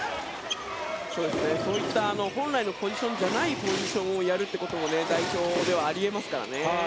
そういった本来のポジションじゃないポジションをやるということも代表ではあり得ますからね。